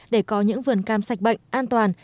để có những vườn cam sạch bệnh an toàn